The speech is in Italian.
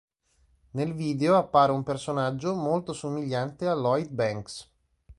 Nel video appare un personaggio molto somigliante a Lloyd Banks.